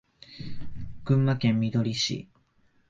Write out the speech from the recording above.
群馬県みどり市